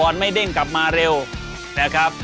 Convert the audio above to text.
ไม่เด้งกลับมาเร็วนะครับ